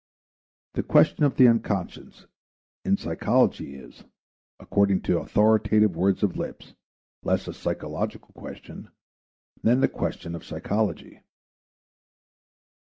The question of the unconscious, in psychology is, according to the authoritative words of Lipps, less a psychological question than the question of psychology.